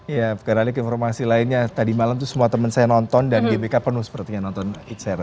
ya berbalik informasi lainnya tadi malam semua teman saya nonton dan gbk penuh sepertinya nonton ed sheeran